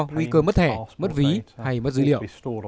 nguy cơ mất thẻ mất ví hay mất dữ liệu